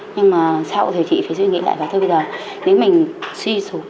nhưng mà sau thì chị phải suy nghĩ lại bây giờ nếu mình suy sụp